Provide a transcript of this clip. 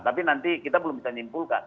tapi nanti kita belum bisa nyimpulkan